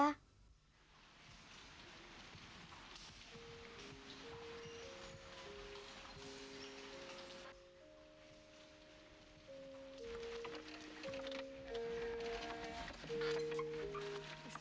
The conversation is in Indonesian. tuhan yang menjaga kita